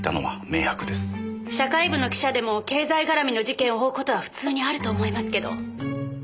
社会部の記者でも経済絡みの事件を追う事は普通にあると思いますけど。